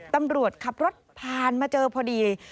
ตำรวจขับรถผ่านมาเจอพอดี